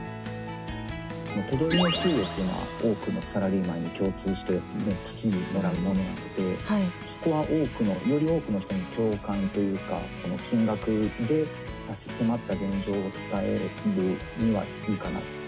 手取りの給与っていうのは多くのサラリーマンに共通して月にもらうものなのでそこはより多くの人の共感というか金額で差し迫った現状を伝えるにはいいかなと。